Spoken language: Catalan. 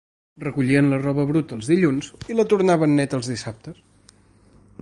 Recollien la roba bruta els dilluns i la tornaven neta els dissabtes.